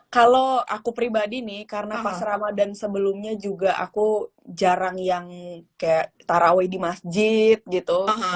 kalau aku pribadi nih karena pas ramadhan sebelumnya juga aku jarang yang kayak taraweh di masjid gitu